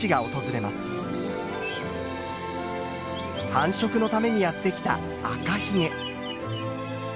繁殖のためにやって来たアカヒゲ。